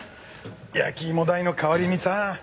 焼き芋代の代わりにさ。